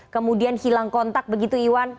kemudian hilang kontak begitu iwan